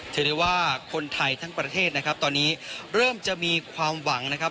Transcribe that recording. ถือได้ว่าคนไทยทั้งประเทศนะครับตอนนี้เริ่มจะมีความหวังนะครับ